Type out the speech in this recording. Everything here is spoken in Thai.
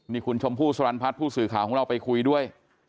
นี่คุณชมพู่สรรพัฒน์ผู้สื่อข่าวของเราไปคุยด้วย